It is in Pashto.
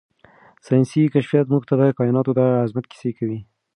ساینسي کشفیات موږ ته د کائناتو د عظمت کیسې کوي.